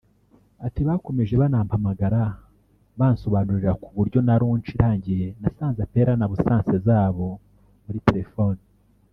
ati «bakomeje banampamagara bansobanurira ku buryo na launch irangiye nasanze appels en absences zabo muri telephone